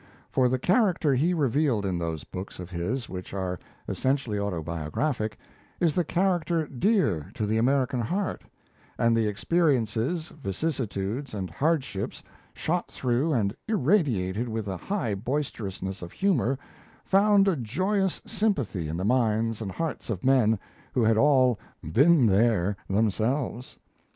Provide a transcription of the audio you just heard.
For the character he revealed in those books of his which are essentially autobiographic, is the character dear to the American heart; and the experiences, vicissitudes, and hardships, shot through and irradiated with a high boisterousness of humour, found a joyous sympathy in the minds and hearts of men who had all "been there" themselves.